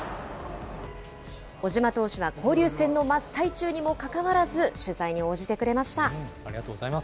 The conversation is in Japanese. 小島投手は交流戦の真っ最中にもかかわらず、ありがとうございます。